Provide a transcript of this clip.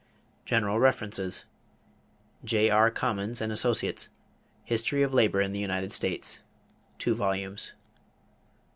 =General References= J.R. Commons and Associates, History of Labor in the United States (2 vols.).